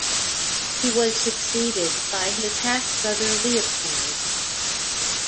He was succeeded by his half brother, Leopold.